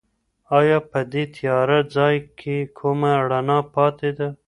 ایا په دې تیاره ځای کې کومه رڼا پاتې ده؟